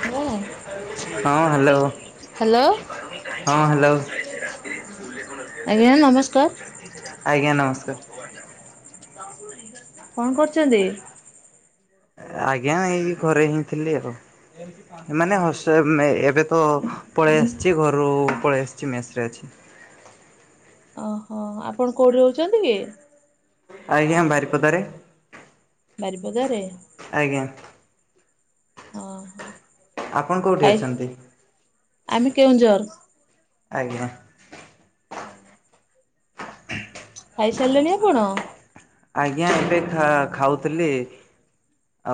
ହୁଁ [inaudible] ହଁ hello hello. ହଁ ହ୍ୟାଲୋ ଆଜ୍ଞା ନମସ୍କାର। ଆଜ୍ଞା ନମସ୍କାର। କଣ କରୁଚନ୍ତି। ଆଜ୍ଞା ଏଇ ଘରେ ହିଁ ଥିଲି ଆଉ। ମାନେ ହସ ଏବେ ତ ପଳେଇ ଆସିଛି ଘରୁ ପଳେଇ ଆସିଛି ମେସ୍ ରେ। ଓ ହୋ ଆପଣ କୋଉଠି ରହୁଛନ୍ତି କି? ଆଜ୍ଞା ବାରିପଦାରେ। ବାରିପଦାରେ? ଆଜ୍ଞା। ଅ ହୋ। ଆପଣ କୋଉଠି ଅଛନ୍ତି? ଆମେ କେଉଁଝର୍। ଆଜ୍ଞା। ହୁଁ। ଖାଇ ସାରିଲେଣି ଆପଣ? ଆଜ୍ଞା ଏବେ ଖା ଖାଉଥିଲି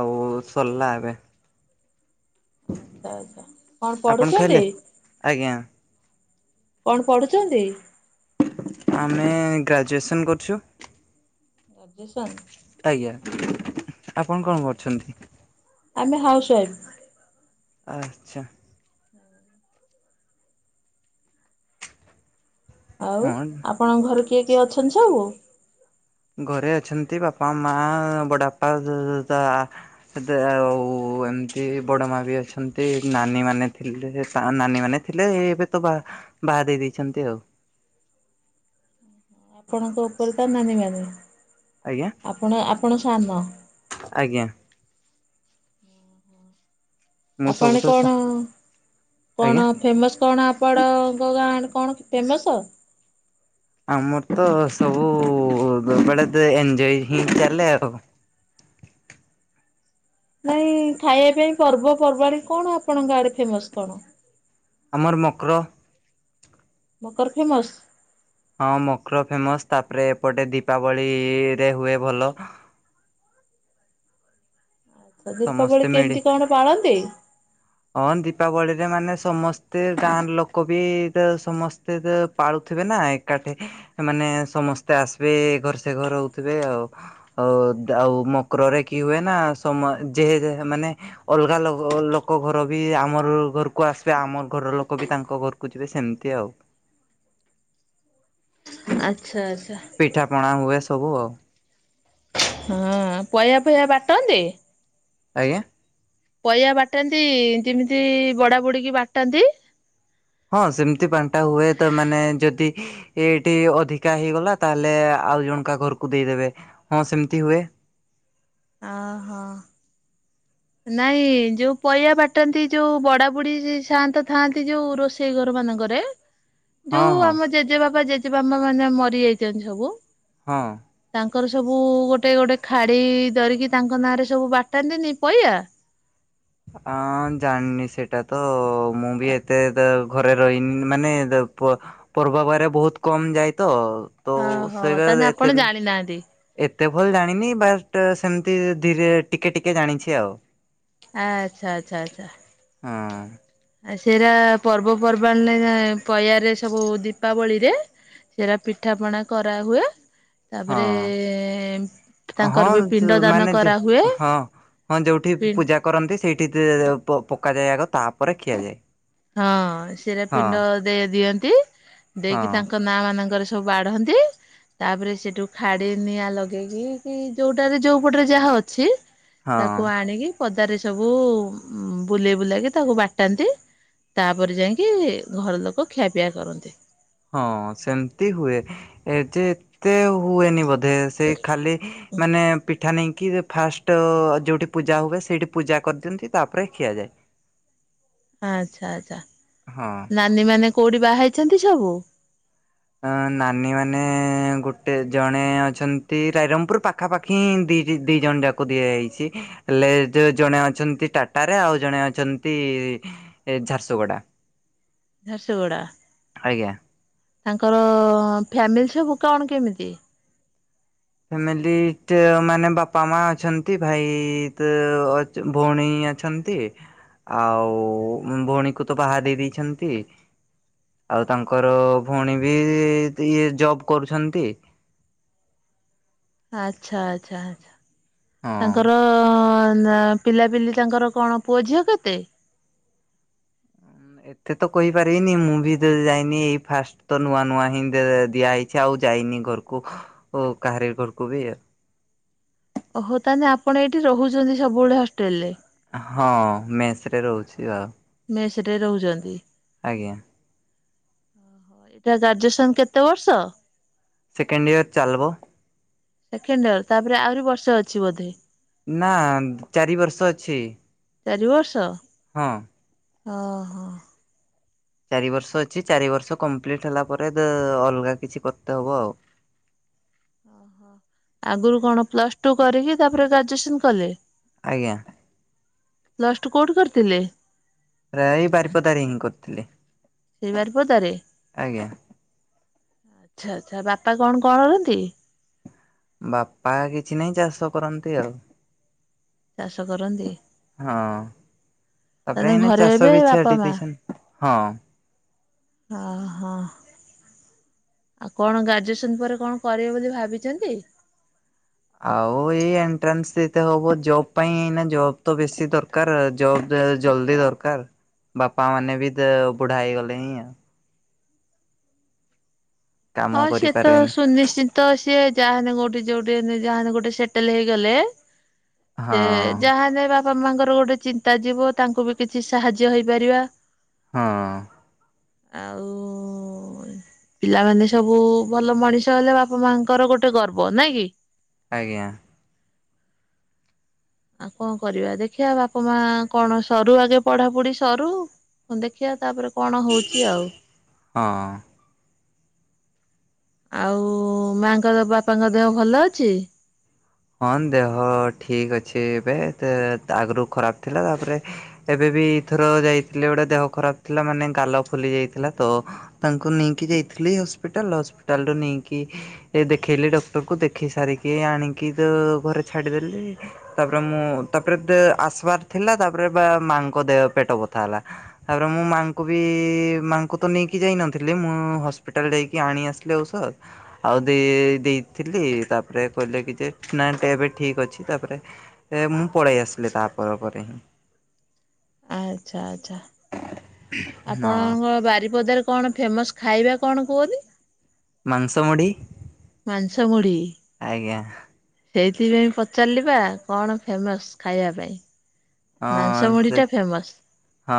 ଆଉ ସର୍ଲା ଏବେ। ଆଚ୍ଛା କଣ ଆପଣ ଖାଇଲେ? ପଢୁଛନ୍ତି? ଆଜ୍ଞା। କଣ ପଢୁଚନ୍ତି? ଆମେ ଗ୍ରାଜୁଏସନ୍ କରୁଛୁ। ଗ୍ରାଜୁଏସନ୍? ଆଜ୍ଞା ଆପଣ କଣ କରୁଛନ୍ତି? ଆମେ ହାଉସ୍ ୱାଇଫ୍। ଆଚ୍ଛା। ଆଉ ହଁ ଆପଣଙ୍କ ଘରେ କିଏ କିଏ ଅଛନ୍ତି ସବୁ? ଘରେ ଅଛନ୍ତି ବାପା ମା ବଡ ଆପା ଉ ତା ଦା ଆଉ ଏମିତି ବଡ ମା ବି ଅଛନ୍ତି ନାନୀ ମାନେ ଥିଲେ ତା ନାନୀ ମାନେ ଥିଲେ ଏବେ ତ ବା ବାହା ଦେଇ ଦେଇଛନ୍ତି ଆଉ। ଆପଣଙ୍କ ଉପରେ ତ ନାନୀ ମାନେ ଆଜ୍ଞା ଆପଣ ଆପଣ ସାନ ଆଜ୍ଞା। ମୁଁ ଆପଣ ସବୁଠୁ ସା କଣ ଆଜ୍ଞା କଣ ଫେମସ୍ କଣ ଆ ପଣ ଙ୍କ ଗାଁ କଣ ଫେମସ? ଆମର ତ ସବୁବେଳେ ତ ଏଞ୍ଜୟ ହେଇ ଚାଲେ ଆଉ। ନାଇଁ ଖାଇବା ପାଇଁ ପର୍ବପର୍ବାଣୀ କଣ ଆପଣଙ୍କ ଆଡେ ଫେମସ୍ କଣ? ଆମର ମକ୍ର। ମକର ଫେମସ୍? ହଁ ମକ୍ର ଫେମସ୍ ତାପରେ ଏପଟେ ଦୀପାବଳିରେ ହୁଏ ଭଲ। ତ ସମସ୍ତେ ଦୀପାବଳି ମିଳି କେମିତି କଣ ପାଳନ୍ତି? ହଁ ଦୀପାବଳିରେ ମାନେ ସମସ୍ତେ ଗାଁର ଲୋକ ବି ତ ସମସ୍ତେ ତ ପାଳୁଥିବେ ନା। କାଟି ମାନେ ସମସ୍ତେ ଆସିବେ ଏଘର ସେଘର ହଉଥିବେ ଆଉ। ଆଉ ଦାଉ ମକରରେ କି ହୁଏ ନା ସମ ଯେହେ ମାନେ ଅଲଗା ଲ ଅ ଲୋ କ ଘର ବି ଆମର ଘରକୁ ଆସିବେ ଆମର ଘର ଲୋକ ବି ତାଙ୍କ ଘରକୁ ଯିବେ ସେମିତି ଆଉ। ଆଚ୍ଛା ଆଚ୍ଛା। ପିଠା ପଣା ହୁଏ ସବୁ ଆଉ। ହଁ ପୟା ଫୟା ବାଟନ୍ତି? ଆଜ୍ଞା। ପଇଆ ବାଟାନ୍ତି ଯେମିତି ବଡ଼ା ବୁଡ଼ିକି ବାଟାନ୍ତି? ହଁ ସେମିତି ବାଣ୍ଟା ହୁଏ ତ ମାନେ ଯଦି ଏଇଟି ଅଧିକା ହେଇଗଲା ତାହେଲେ ଆଉ ଜଣକା ଘରକୁ ଦେଇଦେବେ ହଁ ସେମିତି ହୁଏ। ଅହୋ। ନାଇଁ ଯୋଉ ପଇଆ ବାଟାନ୍ତି ଯୋଉ ବଡ଼ା ବୁଡ଼ି ସାଆନ୍ତ ଥାଆନ୍ତି ଯୋଉ ରୋଷେଇ ଘର ମାନଙ୍କରେ। ହଁ ଯୋଉ ହଁ ଆମ ଜେଜେବାବା ଜେଜେବାବା ମାନେ ମରି ଯାଇଛନ୍ତି ସବୁ। ହଁ। ତାଙ୍କର ସବୁ ଗୋଟେ ଗୋଟେ ଖାଡ଼ି ଧରିକି ତାଙ୍କ ନାଁରେ ସବୁ ବାଟାନ୍ତିନି ପଇଆ। ହଁ ଜାଣିନି ସେଇଟା ତ ମୁଁ ବି ଏତେ ଦେ ଘରେ ରହିନି ମାନେ ଦେ ପ ପର୍ବବାରେ ବହୁତ କମ୍ ଯାଏ ତ ତ ସେଇଟା ଏତେ ବି ନାଆଦୀ। ଏତେ ଭଲ୍ ଜାଣିନି ବାଟ୍ ସେମତି ଧୀରେ ଟିକେ ଟିକେ ଜାଣିଛି ଆଉ। ଆଚ୍ଛା ଚ୍ଛା ଛା। ହୁଁ। ଆ ସେଇରା ପର୍ବପର୍ବାଣୀରେ ପୟାରେ ସବୁ ଦୀପାବଳିରେ ସେରା ପିଠାପଣା କରାହୁଏ। ତାପରେ ହଁ ତାଙ୍କର ବି ହଁ ପିଣ୍ଡ ଦାନ ମାନେ କରାହୁଏ। ହଁ ହଁ ଯୋଉଠି ପି ପୂଜା କରନ୍ତି ସେଇଠି ଦି ପ ପକା ଯାଏ ଆଗ ତାପରେ ଖିଆଯାଏ। ହଁ ସେରା ହଁ ପିଣ୍ଡ ଦେ ଦିଅନ୍ତି ହଁ ଦେଇକି ତାଙ୍କ ନା ମାନଙ୍କରେ ସବୁ ବାଢ଼ନ୍ତି। ତାପରେ ସେଠୁ ଖାଡ଼ି ନିଆଁ ଲଗେଇକି କି ଯୋଉଟାରେ ଯୋଉ ପଟରେ ଯାହା ଅଛି ହଁ ତାକୁ ଆଣିକି ପଦାରେ ସବୁ ବୁଲେଇ ବୁଲାକି ତାକୁ ବାଟାନ୍ତି। ତାପରେ ଯାଇଙ୍କି ଘର ଲୋକ ଖିଆପିଆ କରନ୍ତି। ହଁ ସେମ୍ତି ହୁଏ ଏଠି ଏତେ ହୁଏନି ବୋ ଦେ ସେଇ ଖାଲି ମାନେ ପିଠା ନେଇକି ଫାଷ୍ ଟ ଯୋଉଠି ପୂଜା ହୁଏ ସେଇଠି ପୂଜା କରିଦିଅନ୍ତି ତାପରେ ଖିଆଯାଏ। ଆଛା ଆଛା ହଁ ନାନୀମାନେ କୋଉଠି ବାହା ହେଇଛନ୍ତି ସବୁ? ଅଁ ନାନୀ ମାନେ ଗୋଟେ ଜଣେ ଅଛନ୍ତି ରାଇରଙ୍ଗପୁର ପା ପାଖାପାଖି ହିଁ ଦି ଦି ଦି ଜଣ ଯାକୁ ଦିଆହେଇଛି। ହେଲେ ଏ ଯୋଉ ଜଣେ ଅଛନ୍ତି ଟାଟାରେ ଆଉ ଜଣେ ଅଛନ୍ତି ଏ ଝାରସୁଗୁଡା। ଝାରସୁଗୁଡା, ଆଜ୍ଞା ତାଙ୍କର ଫ୍ୟାମିଲି ସବୁ କଣ କେମିତି? ଫ୍ୟାମିଲି ଟେ ମାନେ ବାପା ମା ଅଛନ୍ତି ଭାଇ ତ ଅ ଚ ଭଉଣୀ ଅଛନ୍ତି। ଆଉ ଭଉଣୀକୁ ତ ବାହା ଦେଇ ଦେଇଛନ୍ତି। ଆଉ ତାଙ୍କର ଭଉଣୀ ବି ଇଏ ଜବ୍ କରୁଛନ୍ତି। ଆଚ୍ଛା ଆଛା ଆଛା ହଁ। ତାଙ୍କର ନା ପିଲାପିଲି ତାଙ୍କର କଣ ପୁଅ ଝିଅ କେତେ? ଏତେ ତ କହିପାରିବିନି ମୁଁ ବି ତ ଯାଇନି ଏଇ ଫାଷ୍ଟ। ତ ନୂଆ ନୂଆ ହିଁ ଦିଆହେଇଛି ଆଉ ଯାଇନି ଘରକୁ କାହାରି ଘରକୁ ବି। ଓହୋ ତାହେଲେ ଆପଣ ଏଇଠି ରହୁଛନ୍ତି ସବୁବେଳେ ହଷ୍ଟେଲ ରେ? ହଁ ମେସରେ ରହୁଛି ଆଉ। ମେସରେ ରହୁଛନ୍ତି। ଆଜ୍ଞା। ଏଟା ଗ୍ରାଜୁଏସନ କେତେ ବର୍ଷ? ସେକେଣ୍ଡ ଇୟର ଚାଲବ। ସେକେଣ୍ଡ ଇୟର ତାପରେ ଆହୁରି ବର୍ଷେ ଅଛି ବୋଧେ। ନା ଚାରି ବର୍ଷ ଅଛି। ଚାରି ବର୍ଷ? ହଁ। ଓ ହୋ। ଚାରି ବର୍ଷ ଅଛି ଚାରି ବର୍ଷ କମ୍ପ୍ଲିଟ ହେଲା ପରେ ଅଲଗା ଦେ ଅଲଗା କିଛି କରତେ ହବ ଆଉ। ଆଗରୁ କଣ ପ୍ଲସ ଟୁ କରିକି ତାପରେ ଗ୍ରାଜୁଏସନ କଲେ? ଆଜ୍ଞା। ପ୍ଲସ ଟୁ କୋଉଠି କରିଥିଲେ? ପ୍ର ଏଇ ବାରିପଦା ରେ ହିଁ କରିଥିଲି। ସେଇ ବାରିପଦାରେ? ଆଜ୍ଞା। ଆଛା ଆଛା, ବାପା କଣ କଣ କରନ୍ତି? ବାପା କିଛି ନାହିଁ ଚାଷ କରନ୍ତି ଆଉ। ଚାଷ କରନ୍ତି। ହଁ। ତାପରେ ତାହେଲେ ଏଇନେ ଘରେ ଚାଷ ଏବେ ବି ବାପା ଛାଡି ମା ଦେଇଚନ୍ତି। ହଁ। ଓହୋ। ଆଉ କଣ ଗ୍ରାଜୁଏସନ ପରେ କଣ କରିବେ ବୋଲି ଭାବିଚନ୍ତି? ଆଉ ଏଇ ଏଣ୍ଟ୍ରାନ୍ସ ଦେଇତେ ହବ ଜବ ପାଇଁ, ଏଇନା ଜବ୍ ତ ବେଶୀ ଦର କାର। ଜବ ଅ ଜଲଦି ଦରକାର ବାପା ମାନେ ବି ବୁଢା ତ ହେଇଗଲେଣି ଆଉ। ହଁ କାମ ସେ ତ କରିପାରିବେନି ସୁନିଶ୍ଚି ତ ସିଏ ଯାହାନେ କୋଉଠି ଯୋଉଠି ହେନେ ଯାହାନେ ଗୋଟେ ସେଟଲ ହେଇଗଲେ ସେ ହଁ ଯାହା ହେନେ ବାପା ମାଙ୍କର ଗୋଟେ ଚିନ୍ତା ଯିବ, ତାଙ୍କୁ ବି କିଛି ସାହାଯ୍ୟ ହେଇପାରିବା। ହଁ। ଆଉ ପିଲାମାନେ ସବୁ ଭଲ ମଣିଷ ହେଲେ ବାପା ମାଙ୍କର ଗୋଟେ ଗର୍ବ। ନାଇଁ କି? ଆଜ୍ଞା। ଆଉ କଣ କରିବା ଦେଖିଆ ବାପା ମା କଣ ସରୁ ଆଗେ ପଢାପଢି ସରୁ। ହଁ ଦେଖିବା ତାପରେ କଣ ହଉଛି ଆଉ। ହଁ। ଆଉ ମାଙ୍କର ବାପାଙ୍କ ଦେହ ଭଲ ଅଛି? ହଁ ଦେହ ଠିକ ଅଛି ଏବେ ତେ ଆଗରୁ ଖରାପ ଥିଲା ତାପରେ ଏବେ ବିଥର ଯାଇଥିଲେ ଗୋଟେ ଦେହ ଖରାପ ଥିଲା ମାନେ ଗାଲ ଫୁଲି ଯାଇଥିଲା ତ ତାଙ୍କୁ ନେଇକି ଯାଇଥିଲି ହସ୍ପିଟାଲ ହସ୍ପିଟାଲ ରୁ ନେଇକି ଏ ଦେଖେଇଲି ଡକ୍ଟରକୁ ଦେଖେଇ ସାରିକି ଆଣିକି ତ ଘରେ ଛାଡିଦେଲି। ତାପରେ ମୁଁ ତାପରେ ଦେ ଆସିବାର୍ ଥିଲା ତାପରେ ବା ମାଙ୍କ ଦେହ ପେଟ ବଥା ହେଲା। ତାପରେ ମୁଁ ମାଆଙ୍କୁ ବି ମାଆଙ୍କୁ ତ ନେଇକି ଯାଇ ନଥିଲି ମୁଁ ହସ୍ପିଟାଲ ଯାଇକି ଆଣି ଆସିି ଥିଲେ ଔଷଧ ଆଉ ଦେ ଦେଇଥିଲି ତାପରେ କହିଲେ କି ଯେ ନା ତ ଏବେ ଠିକ ଅଛି ତାପରେ ଏ ମୁଁ ପଳେଇ ଆସିଲି ତା ପରେ ପରେ। ଆଚ୍ଛା, ଆଚ୍ଛା ହଁ ଆପଣଙ୍କ ବାରିପଦାର କଣ ଫେମସ୍ ଖାଇବା କଣ କୁହନି? ମାଂସ ମୁଢ଼ି। ମାଂସ ମୁଢ଼ି। ସେଇଥିପାଇଁ ପଚାରିଲି ପା କଣ ଫେମସ୍ ଖାଇବା ପାଇଁ। ମାଂସ ହଁ ସେ ମୁଢିଟା ଫେମସ୍ ହଁ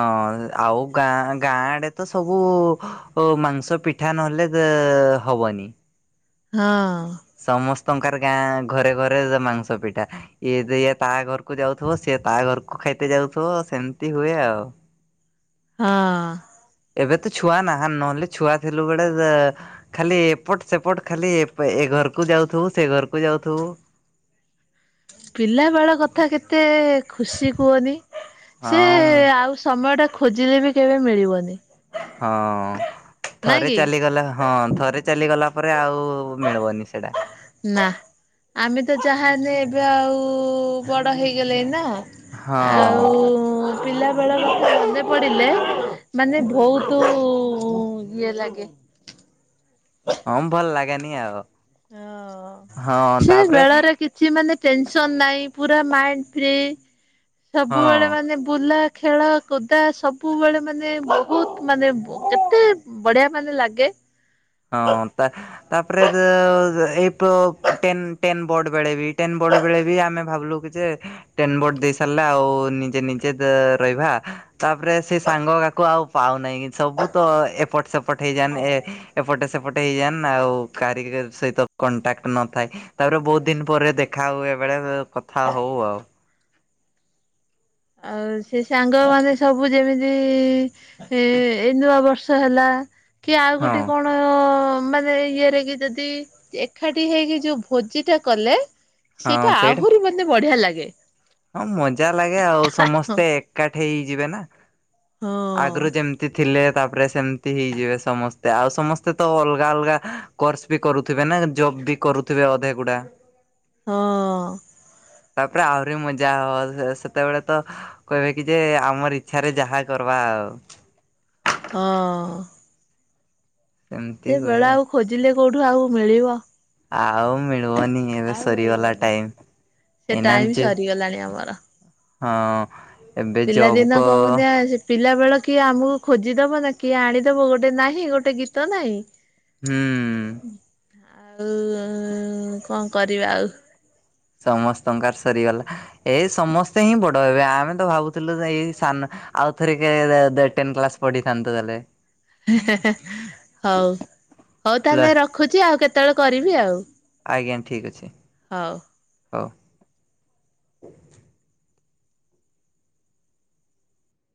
ଆଉ ଗାଁ ଗାଁ ଆଡେ ତ ସବୁ ଓ ମାଂସ ପିଠା ନହେଲେ ଦେ-ହବନି। ହଁ। ସମସ୍ତଙ୍କର ଗାଁ ଘରେ ଘରେ ମାଂସ ପିଠା। ଇଏ ଯେ ଇଏ ତା ଘରକୁ ଯାଉଥୁବ, ସିଏ ତା ଘରକୁ ଖାଇତେ ଯାଉଥୁବ ସେମିତି ହୁଏ ଆଉ। ହଁ। ଏବେ ତ ଛୁଆ ନାହାନ୍ ନହେଲେ ଛୁଆ ଥିଲୁ ବେଳେ ଦେ ଖାଲି ଏପଟ ସେପଟ ଖାଲି ଏପ୍ ଏ ଘରକୁ ଯାଉଥୁବୁ ସେ ଘରକୁ ଯାଉଥୁବୁ। ପିଲାବେଳ କଥା କେତେ ଖୁସି କୁଅନି? ସେ ହଁ ମୁଁ ଆଉ ସମୟ ଟା ଖୋଜିଲେ ବି କେବେ ମିଳିବନି। ହଁ ନାଇଁ ଥରେ କି? ଚାଲିଗଲା ହଁ ଥରେ ଚାଲିଗଲା ପରେ ଆଉ ମିଳିବନି ସେଟା। ନା ଆମେ ତ ଯାହା ହେଲେ ଏବେ ଆଉ ବଡ ହେଇଗଲେ ନା। ହଁ ଆଉ ପିଲା ବେଳ ମନେ ପଡିଲେ ମାନେ ଭଉତୁ ଉ, ଇଏ ଲାଗେ। ହଁ ଭଲ ଲାଗେନି ଆଉ। ହଁ ହଁ ସେ ତାପରେ ବେଳରେ କି ଛି ମାନେ ଟେନସନ୍ ନାହିଁ ପୁରା ମାଇଣ୍ଡ ଫ୍ରି, ହଁ ସବୁବେଳେ ମାନେ ବୁଲା ଖେଳ କୁୁଦା ସବୁବେଳେ ମାନେ ବହୁତ ମାନେ ଏତେ ବଢିଆ ମାନେ ଲାଗେ। ହଁ ତା ତାପରେ ଯେ ଯେ ଏଇ ପ-ଟେନ୍ ଟେନ୍ ବୋର୍ଡ଼ ବେଳେ ବି ଟେନ୍ ବୋର୍ଡ ବେଳେ ବି ଆମେ ଭାବିଲୁ ଯେ ଟେନ୍ ବୋର୍ଡ ଦେଇ ସାରିଲେ ଆଉ ନିଜେ ନିଜେ ଦେ ରହିଭା। ତାପରେ ସେ ସାଙ୍ଗ କାକୁ ଆଉ ପାଉନାହିଁ କି, ସବୁ ତ ଏପଟ ସେପଟ ହେଇଯାନ୍ ଏ ପଟେ ସେପଟେ ହେଇଯାନ୍ ଆଉ କାରିଗର ସହିତ କଣ୍ଟାକ୍ଟ ନଥାଏ। ତାପରେ ବହୁତ ଦିନ ପରେ ଦେଖା ହୁଏ ବେଳେବେଳେ କଥା ହଉ ଆଉ। ଆଉ ସେ ସାଙ୍ଗ ମାନେ ସବୁ ଯେମିତି ଏ ଏଇ ନୂଆ ବର୍ଷ ହେଲା କି ଆଉ ହଁ ଗୋଟେ କଣ ଅ, ମାନେ ଏ ଇଏରେ କି ଯଦି ଏକାଠି ହେଇକି ଯୋଉ ଭୋଜି ଟା କଲେ ସେଇଟା ଆହୁରି ମାନେ ବଢିଆ ଲାଗେ। ହଁ ମଜା ଲାଗେ ଆଉ ସମସ୍ତେ ଏକାଠି ହେଇଯିବେ ନା। ହଁ ଆଗରୁ ଯେମିତି ଥିଲେ ତାପରେ ସେମ ତି ହେଇଯିବେ ସମସ୍ତେ, ଆଉ ସମସ୍ତେ ତ ଅଲଗା ଅଲଗା କୋର୍ସ ବି କରୁଥିବେ ନା, ଜବ୍ ବି କରୁ ଥିବେ ଅଧେ ଗୁଡା। ହଁ। ତାପରେ ଆଉ ରେ ମଜା ହବ, ସେ ସେତେବେଳେ ତ କହିବେ କି ଯେ ଆମର ଇଚ୍ଛାରେ ଯାହା କରବା ଆଉ। ହଁ। ସେମିତି ସେ ହୁଏ। ବେଳ ଆଉ ଖୋଜିଲେ କୋଉଠୁ ଆଉ ମିଳିବ। ଆଉ ମିଳିବନି ଏବେ ଆଉ ସରିଗଲା ମିଳିବନି ଟାଇମ ସେ ଏନା ଟାଇମ ଯେ ସରିଗଲାଣି ଆମର ହଁ ଏବେ ଜବ୍ କ ପିଲାଦିନ କୋଉ କଥା ଆଜି ପିଲା ବେଳ କିଏ ଆମକୁ ଖୋଜିଦବ ନା କିଏ ଆଣିଦବ ଗୋଟେ ନାହିଁ ଗୋଟେ ଗୀତ ନାହିଁ। ହୁଁ ଆଉ କଣ କରିବା ଆଉ। ସମସ୍ତଙ୍କର ସରିଗଲା ଏଇ ସମସ୍ତେ ହିଁ ବଡ ହେବେ ଆମେ ତ ଭାବୁଥିଲୁ ଯେ ଏଇ ସାନ ଆଉଥରେ କେ ଟେନ କ୍ଲାସ ପଢିଥାନ୍ତୁ ହେଲେ ହେଁ ହେଁ ହଉ ହଉ ପ୍ଲସ ତାହଲେ ରଖୁଚି ଆଉ କେତେବେଳେ କରିବି ଆଉ। ଆଜ୍ଞା ଠିକ ଅଛି। ହଉ। ହଉ।